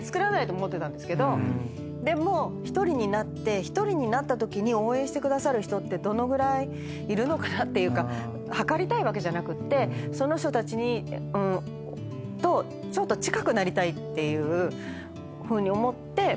でも１人になって１人になったときに応援してくださる人ってどのぐらいいるのかなというか測りたいわけじゃなくってその人たちとちょっと近くなりたいっていうふうに思って。